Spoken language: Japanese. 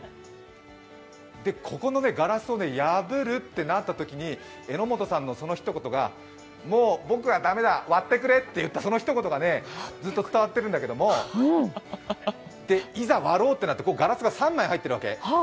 で、ここのガラスを破るってなったときに榎本さんのそのひと言が、もう僕はもう駄目だ、割ってくれって言ったそのひと言がずっと伝わっているんだけれども、いざ割ろうとなってガラスが３枚入ってるわけ。